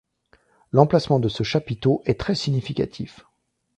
L'emplacement de ce chapiteau est très significatif.